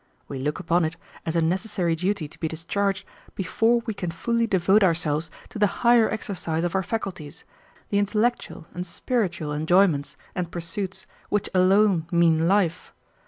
We look upon it as a necessary duty to be discharged before we can fully devote ourselves to the higher exercise of our faculties, the intellectual and spiritual enjoyments and pursuits which alone mean life.